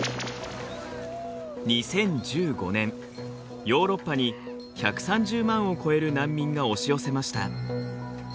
２０１５年ヨーロッパに１３０万を超える難民が押し寄せました。